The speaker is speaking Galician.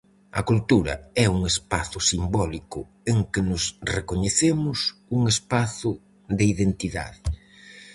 A cultura é un espazo simbólico en que nos recoñecemos, un espazo de identidade.